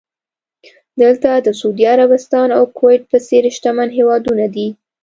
دلته د سعودي عربستان او کوېټ په څېر شتمن هېوادونه دي.